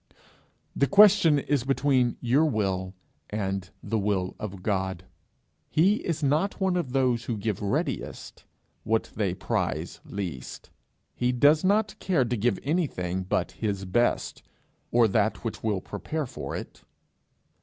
The question is between your will and the will of God. He is not one of those who give readiest what they prize least. He does not care to give anything but his best, or that which will prepare for it.